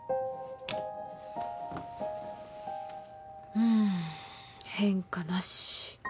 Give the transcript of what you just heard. うん変化なし。